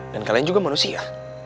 dan kalian juga manusia